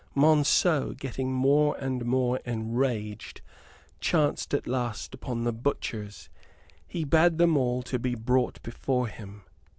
Monceux, getting more and more enraged, chanced at last upon the butchers. He bade them all to be brought before him.